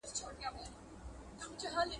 • خپل کور اوماچک نه سي کولاى، د بل کره ماچې کوي.